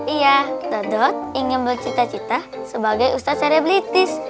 iya duduk ingin bercita cita sebagai ustadz cerebritis